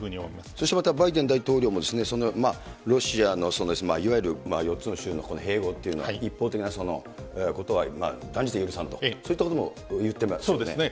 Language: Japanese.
そしてまたバイデン大統領も、ロシアのいわゆる４つの州の併合というのは、一方的なことは断じて許さんと、そういったことも言ってますよね。